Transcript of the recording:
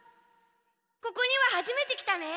ここにははじめて来たね。